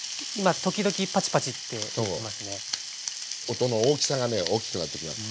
音の大きさがね大きくなってきます。